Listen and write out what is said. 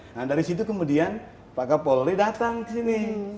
nah dari situ kemudian pak kapolri datang disini